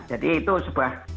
jadi itu sebuah